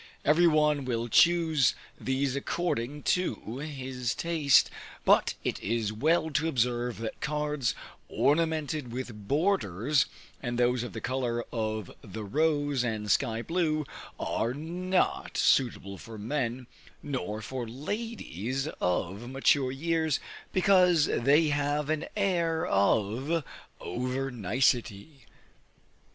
Every one will choose these according to his taste; but it is well to observe that cards ornamented with borders, and those of the color of the rose, and sky blue, are not suitable for men, nor for ladies of mature years, because they have an air of over nicety.